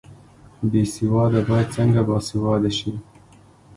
بې سواده باید څنګه باسواده شي؟